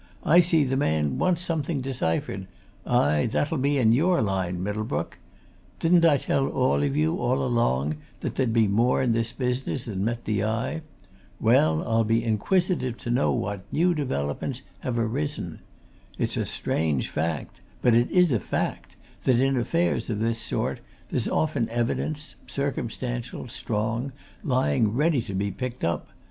"I see the man wants something deciphered aye, that'll be in your line, Middlebrook. Didn't I tell all of you, all along, that there'd be more in this business than met the eye? Well, I'll be inquisitive to know what new developments have arisen! It's a strange fact, but it is a fact, that in affairs of this sort there's often evidence, circumstantial, strong, lying ready to be picked up.